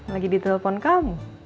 lagi ditelepon kamu